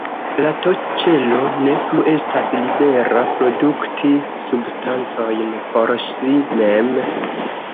La T-ĉelo ne plu estas libera produkti substancojn por si mem.